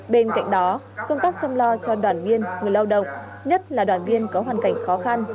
bên cạnh đó công tác chăm lo cho đoàn viên người lao động nhất là đoàn viên có hoàn cảnh khó khăn